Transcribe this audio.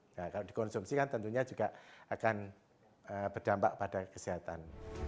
nah kalau dikonsumsikan tentunya juga akan berdampak pada kesehatan